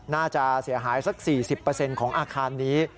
น่าจะเสียหายสัก๔๐ของอาคารนี้